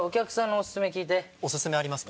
お薦めありますか？